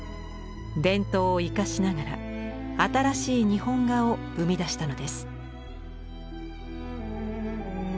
伝統を生かしながら新しい日本画を生み出したのです。